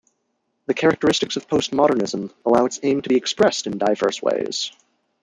The characteristics of postmodernism allow its aim to be expressed in diverse ways.